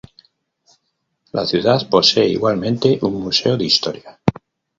La ciudad posee igualmente un museo de historia.